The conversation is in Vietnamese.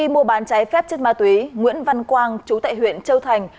hành vi mua bán trái phép chất ma túy nguyễn văn quang chú tại huyện châu thành